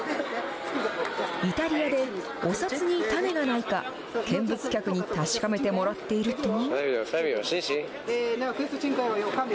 イタリアで、お札にタネがないか、見物客に確かめてもらっていると。